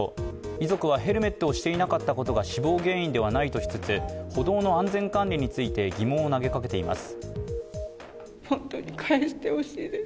遺族は、ヘルメットをしていなかったことが死亡原因ではないとしつつ、歩道の安全管理について疑問を投げかけています。